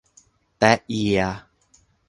แต๊ะเอีย